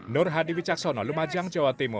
nur hadi wicaksono lumajang jawa timur